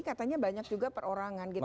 katanya banyak juga perorangan gitu